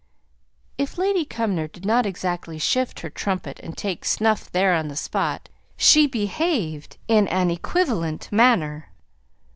If Lady Cumnor did not exactly shift her trumpet and take snuff there on the spot, she behaved in an equivalent manner.